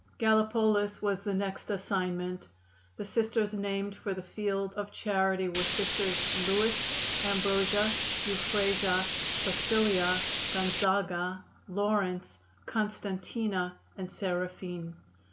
Gallipolis was the next assignment. The Sisters named for the field of charity were Sisters Louis, Ambrosia, Euphrasia, Basilia, Gonzaga, Laurence, Constantina and Seraphine.